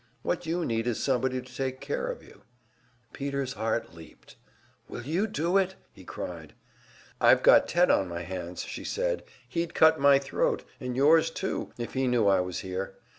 What you need is somebody to take care of you." Peter's heart leaped. "Will you do it?" he cried. "I've got Ted on my hands," said the girl. "He'd cut my throat, and yours too, if he knew I was here.